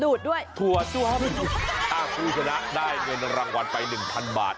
ดูดด้วยถั่วด้วยครับอ้าวกูจะได้เงินรางวัลไป๑๐๐๐บาท